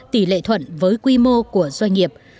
tỷ lệ thuận với quy mô của doanh nghiệp